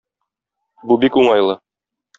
Бу бик уңайлы.